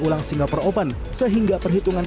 ulang singaper open sehingga perhitungan